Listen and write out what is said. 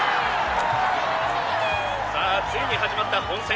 さあついに始まった本戦。